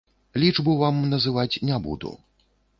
Лічбу вам называць не буду.